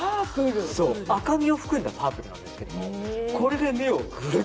赤みを含んだパープルなんですが。